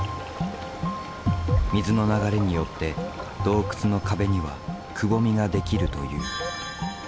水の流れによって洞窟の壁にはくぼみが出来るという。